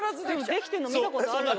できてるの見たことあるよ。